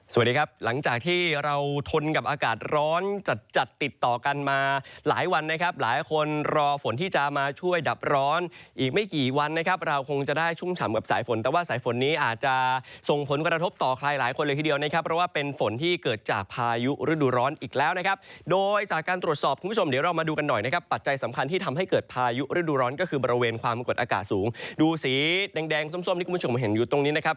สวัสดีครับหลังจากที่เราทนกับอากาศร้อนจัดจัดติดต่อกันมาหลายวันนะครับหลายคนรอฝนที่จะมาช่วยดับร้อนอีกไม่กี่วันนะครับเราคงจะได้ชุ่มฉ่ำกับสายฝนแต่ว่าสายฝนนี้อาจจะส่งผลกระทบต่อใครหลายคนเลยทีเดียวนะครับเพราะว่าเป็นฝนที่เกิดจากพายุฤดูร้อนอีกแล้วนะครับโดยจากการตรวจสอบคุณผู้ชมเดี๋